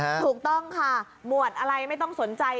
ถูกต้องค่ะหมวดอะไรไม่ต้องสนใจ